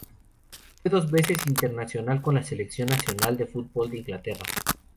Fue dos veces internacional con la Selección nacional de fútbol de Inglaterra.